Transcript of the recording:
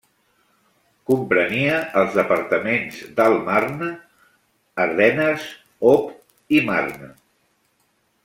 Comprenia els departaments d'Alt Marne, Ardenes, Aube i Marne.